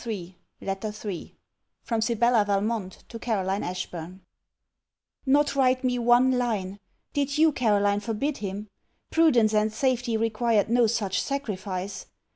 MURDEN LETTER III FROM SIBELLA VALMONT TO CAROLINE ASHBURN Not write me one line! Did you, Caroline, forbid him? Prudence and safety required no such sacrifice!